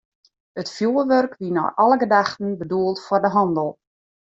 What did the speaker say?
It fjoerwurk wie nei alle gedachten bedoeld foar de hannel.